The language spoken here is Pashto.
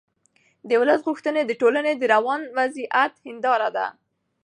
د ولس غوښتنې د ټولنې د روان وضعیت هنداره ده